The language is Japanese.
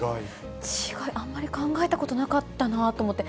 違い、あんまり考えたことなかったなと思って。